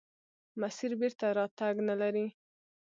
مسیر بېرته راتګ نلري.